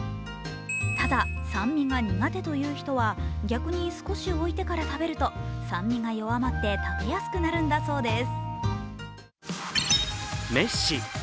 ただ、酸味が苦手という人は逆に少し置いてから食べると酸味が弱まって、食べやすくなるんだそうです。